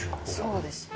そうですね。